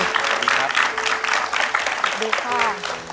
ขอบคุณครับ